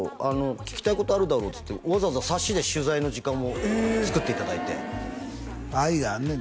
「聞きたいことあるだろ」っつってわざわざサシで取材の時間もつくっていただいて愛があんね